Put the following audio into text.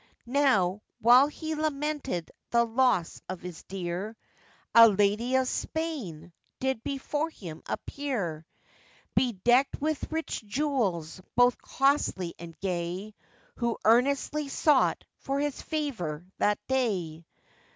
Now, while he lamented the loss of his dear, A lady of Spain did before him appear, Bedecked with rich jewels both costly and gay, Who earnestly sought for his favour that day.